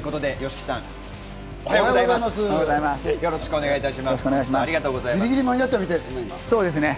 ぎりぎり間に合ったみたいですね。